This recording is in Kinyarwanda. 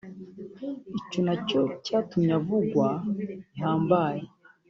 ni nacyo cyatumye avugwa bihambaye